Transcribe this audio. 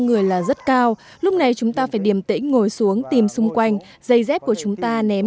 người là rất cao lúc này chúng ta phải điềm tĩnh ngồi xuống tìm xung quanh dây dép của chúng ta ném